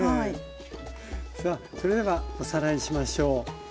さあそれではおさらいしましょう。